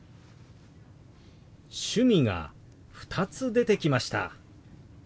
「趣味」が２つ出てきました。